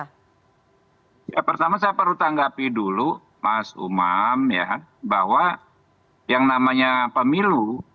ya pertama saya perlu tanggapi dulu mas umam ya bahwa yang namanya pemilu